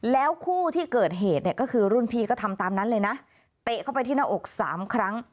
แล้วคู่ที่เกิดเหตุเนี่ยก็คือรุ่นพี่ก็ทำตามนั้นเลยนะเตะเข้าไปที่หน้าอกสามครั้ง